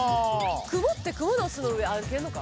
クモってクモの巣の上歩けんのか。